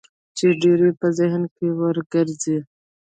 چې ډېر يې په ذهن کې ورګرځي.